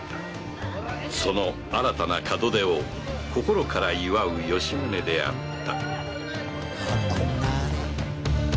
その新たな門出を心から祝う吉宗であった